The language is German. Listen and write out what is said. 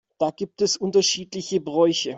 Da gibt es unterschiedliche Bräuche.